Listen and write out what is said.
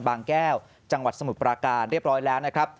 บางแก้วจังหวัดสมุทรปราการเรียบร้อยแล้วนะครับ